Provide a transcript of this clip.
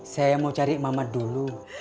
saya mau cari mama dulu